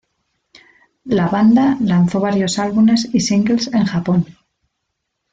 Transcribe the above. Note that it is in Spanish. La banda lanzó varios álbumes y singles en Japón.